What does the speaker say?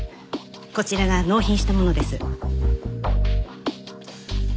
こちらが納品したものです。